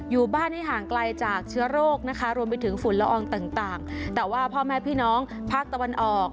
อยู่บ้านให้ห่างไกลจากเชื้อโรคนะคะรวมไปถึงฝุ่นละอองต่างแต่ว่าพ่อแม่พี่น้องภาคตะวันออก